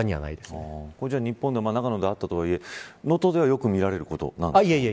日本でも長野であったとはいえ能登ではよく見られることなのですか。